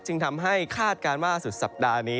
จึงทำให้คาดการณ์ว่าสุดสัปดาห์นี้